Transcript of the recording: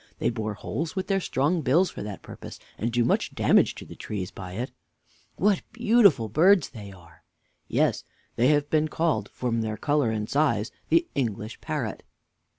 They bore holes with their strong bills for that purpose, and do much damage to the trees by it. W. What beautiful birds they are! Mr. A. Yes; they have been called, from their color and size, the English parrot.